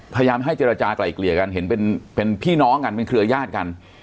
พยายามให้เจรจากลายเกลี่ยกันเห็นเป็นพี่น้องกันเป็นเครือญาติกัน